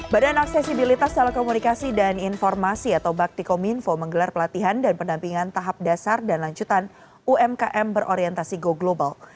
badan aksesibilitas salah komunikasi dan informasi atau baktikominfo menggelar pelatihan dan penampingan tahap dasar dan lanjutan umkm berorientasi go global